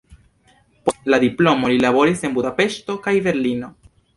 Post la diplomo li laboris en Budapeŝto kaj Berlino.